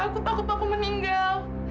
aku takut papa meninggal